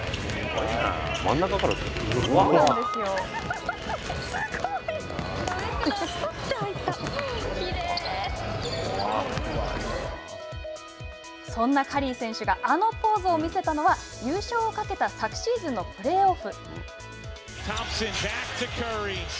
こんなカリー選手があのポーズを見せたのは優勝を懸けた昨シーズンのプレーオフ。